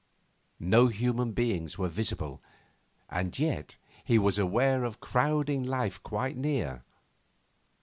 No human beings were visible, and yet he was aware of crowding life quite near.